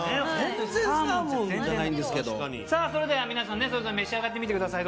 気それでは皆さんそれぞれ召し上がってみてください。